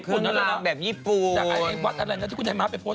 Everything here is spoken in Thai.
อ๋อเครื่องร้างแบบญี่ปุ่นจากเงินวัดอะไรนะที่คุณให้มาเป็นโพสต์